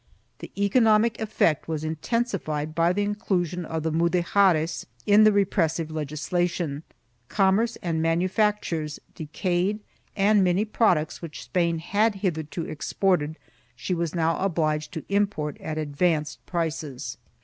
The economic effect was intensified by the inclusion of the Mudejares in the repressive legislation; commerce arid manufactures decayed and many products which Spain had hitherto exported she was now jpbliged to import at advanced prices.